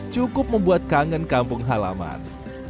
cukup membuat kangen kampung halaman